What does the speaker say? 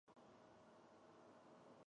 春日部市也是同时包含的自治体。